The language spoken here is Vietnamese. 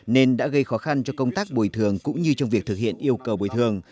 nên đã gây khó khăn cho công tác bồi thường cũng như trong việc thực hiện yêu cầu bồi thường